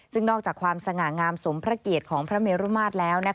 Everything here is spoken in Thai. ซึ่งนอกจากความสง่างามสมพระเกียรติของพระเมรุมาตรแล้ว